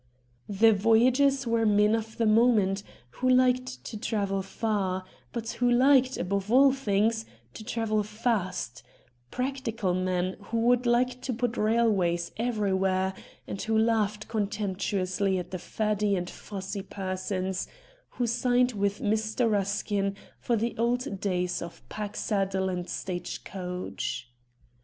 The Voyagers were men of the moment who liked to travel far, but who liked, above all things, to travel fast ; practical men who would hke to put railways everywhere, and who laughed contemptuously at the faddy and fussy persons who sighed with Mr. Euskin for the old days of pack saddle and stacre coach.